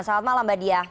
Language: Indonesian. selamat malam mbak diah